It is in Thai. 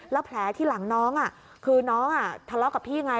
แล้วแผลที่หลังน้องคือน้องทะเลาะกับพี่ไง